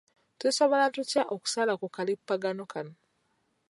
Tusobola tutya okusala ku kalippagano kano?